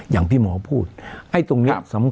อย่างที่หมอพูดไอ้ตรงนี้สำคัญ